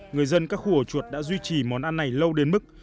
người dân các khu hồ chuột đã duy trì món ăn này lâu đến mức